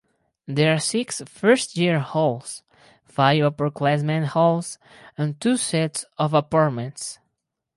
There are six first-year halls, five upperclassman halls and two sets of apartments.